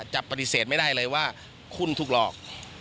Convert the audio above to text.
จะปฏิเสธไม่ได้เลยว่าคุณถูกหลอก